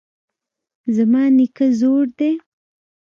زما نیکه زوړ دی